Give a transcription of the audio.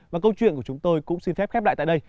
và câu chuyện của chúng tôi cũng xin phép khép lại tại đây